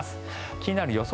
気になる予想